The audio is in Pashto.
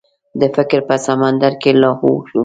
د فکر په سمندر کې لاهو شو.